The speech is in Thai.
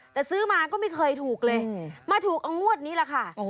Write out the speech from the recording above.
แต่ซื้อมาก็ไม่เคยถูกเลยมาถูกเอางวดนี้แหละค่ะ